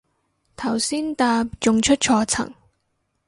頭先搭仲出錯層